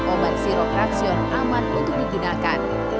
obat sirop fraksion aman untuk digunakan